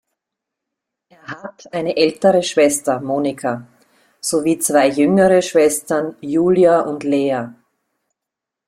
Er hat eine ältere Schwester, Monika, sowie zwei jüngere Schwestern, Julia und Leah.